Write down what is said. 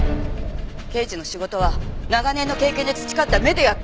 刑事の仕事は長年の経験で培った目でやってんの。